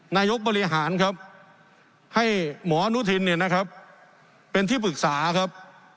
นายกบริหารครับให้หมออนุทินเนี่ยนะครับเป็นที่ปรึกษาครับ